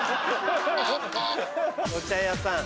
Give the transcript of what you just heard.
お茶屋さん。